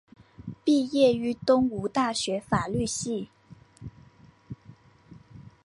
毕业于东吴大学法律系。